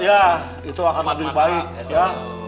ya itu akan lebih baik ya